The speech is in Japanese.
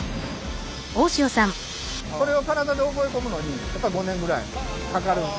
これを体で覚え込むのにやっぱり５年ぐらいかかるんで。